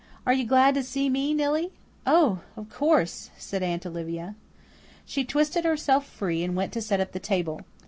Are you glad to see me, Nillie?" "Oh, of course," said Aunt Olivia. She twisted herself free and went to set up the table.